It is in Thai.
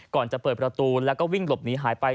ก่อนจะเปิดประตูแล้วก็วิ่งหลบหนีหายไป